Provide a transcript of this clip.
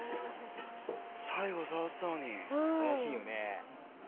最後触ってたのに。